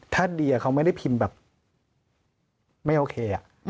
ถ้าเดียเขาไม่ได้พิมพ์แบบไม่โอเค